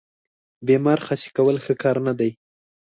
بیمار خسي کول ښه کار نه دی.